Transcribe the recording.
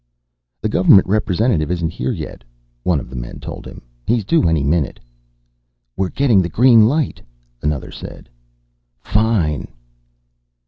"The government representative isn't here yet," one of the men told him. "He's due any minute." "We're getting the green light," another said. "Fine."